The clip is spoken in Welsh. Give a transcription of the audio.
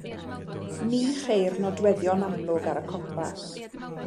Ni cheir nodweddion amlwg ar y copa.